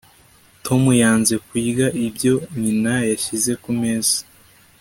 tom yanze kurya ibyo nyina yashyize kumeza